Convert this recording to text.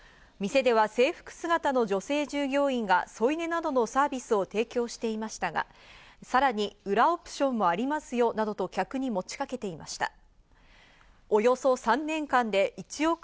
店では制服姿の女性従業員が添い寝などのサービスを提供していましたが、さらに裏オプションもありますよなどと、客に持ちかけていました。